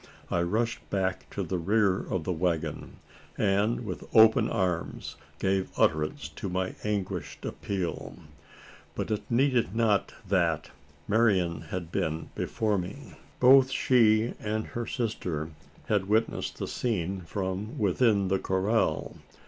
I rushed back to the rear of the waggon; and with open arms gave utterance to my anguished appeal. But it needed not that, Marian had been, before me. Both she and her sister had witnessed the scene within the corral.